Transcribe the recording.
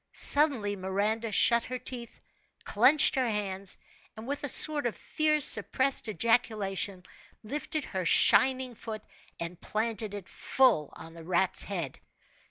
Suddenly, Miranda shut her teeth, clenched her hands, and with a sort of fierce suppressed ejaculation, lifted her shining foot and planted it full on the rat's head.